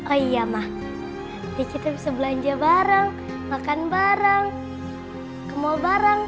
oh iya ma nanti kita bisa belanja bareng makan bareng ke mall bareng